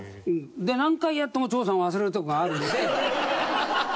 で何回やっても長さん忘れるとこがあるんで。